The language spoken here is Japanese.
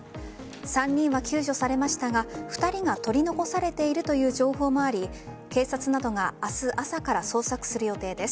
３人は救助されましたが２人が取り残されているという情報もあり警察などが明日朝から捜索する予定です。